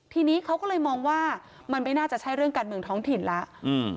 ทีนี้เขาก็เลยมองว่ามันไม่น่าจะใช่เรื่องการเมืองท้องถิ่นแล้วอืม